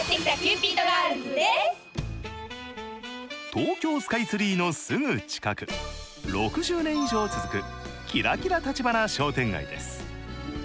東京スカイツリーのすぐ近く、６０年以上続く、キラキラ橘商店街です。